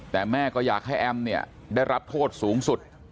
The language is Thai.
แต่แม่ก็อยากให้แอมเนี่ยได้รับโทษสูงสุด